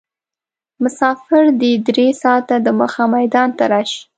مسافر دې درې ساعته دمخه میدان ته راشي.